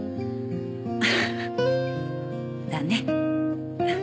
ああだね。